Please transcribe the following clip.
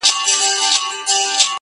د ژورو اوبو غېږ کي یې غوټې سوې.!